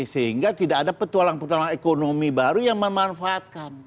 sehingga tidak ada petualang petualang ekonomi baru yang memanfaatkan